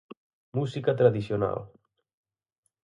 Música tradicional.